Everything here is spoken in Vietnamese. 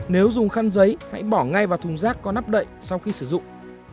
nếu dùng khăn giấy hãy bỏ ngay vào thùng rác có nắp đậy sau khi sử dụng